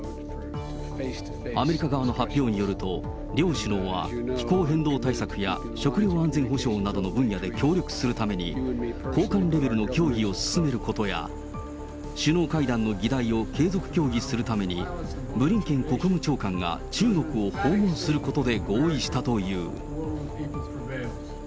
アメリカ側の発表によると、両首脳は気候変動対策や食料安全保障などの分野で協力するために、高官レベルの協議を進めることや、首脳会談の議題を継続協議するためにブリンケン国務長官が中国を訪問することで合意したという。